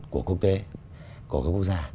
của quốc tế của các quốc gia